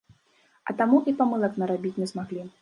А таму і памылак нарабіць не змаглі.